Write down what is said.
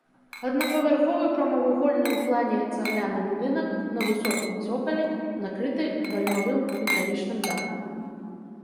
Аднапавярховы прамавугольны ў плане цагляны будынак на высокім цокалі, накрыты вальмавым металічным дахам.